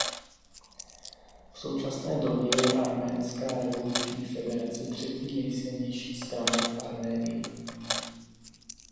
V současné době je Arménská revoluční federace třetí nejsilnější stranou v Arménii.